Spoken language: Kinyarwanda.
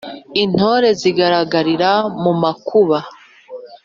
intore zigaragarira mu makuba